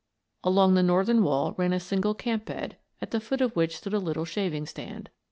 Along the northern wall ran a single camp bed, at the foot of which stood a little shaving stand.